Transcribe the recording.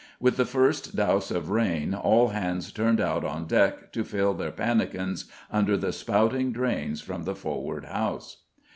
With the first douse of rain all hands turned out on deck to fill their pannikins under the spouting drains from the forward house.